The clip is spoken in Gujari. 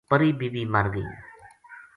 پری بی بی مر گئی